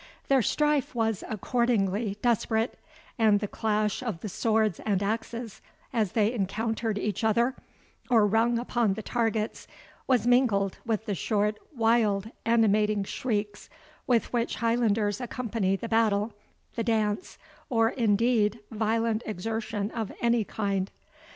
Their strife was accordingly desperate; and the clash of the swords and axes, as they encountered each other, or rung upon the targets, was mingled with the short, wild, animating shrieks with which Highlanders accompany the battle, the dance, or indeed violent exertion of any kind.